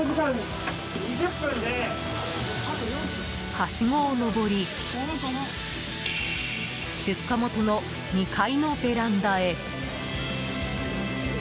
はしごを上り出火元の２階のベランダへ。